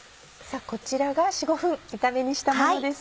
こちらが４５分炒め煮したものです。